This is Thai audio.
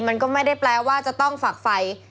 มันก็ไม่ได้แปลว่าต้องฝักฝ่าย